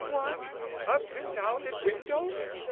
"What, up and out at window?